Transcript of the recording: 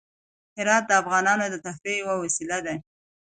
هرات د افغانانو د تفریح یوه وسیله ده.